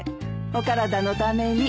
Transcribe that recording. お体のために。